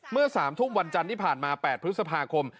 เมื่อ๓ทุ่มวันจันทร์ที่ผ่านมา๘พฤษภาคม